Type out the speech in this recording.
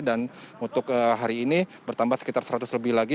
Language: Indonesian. dan untuk hari ini bertambah sekitar seratus lebih lagi